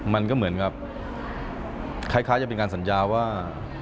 มันก็เหมือนกับคล้ายจะเป็นการสัญญาว่า